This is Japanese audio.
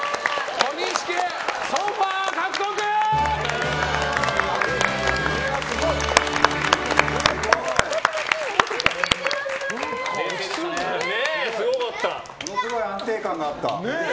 ものすごい安定感があった。